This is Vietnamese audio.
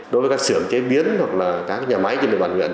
đối với các xưởng chế biến hoặc là các nhà máy trên địa bàn huyện